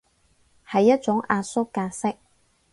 係一種壓縮格式